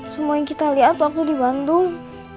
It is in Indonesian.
semua yang kita lihat waktu di bandung